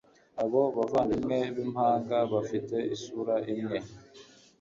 Abo bavandimwe bimpanga bafite isura imwe